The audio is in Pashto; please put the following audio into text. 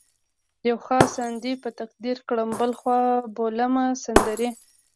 یو خوا ساندې په تقدیر کړم بل خوا بولمه سندرې